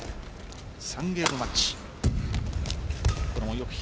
３ゲームマッチ。